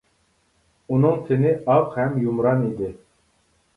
ئۇنىڭ تېنى ئاق ھەم يۇمران ئىدى.